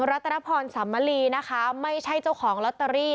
รัตนพรสัมมลีนะคะไม่ใช่เจ้าของลอตเตอรี่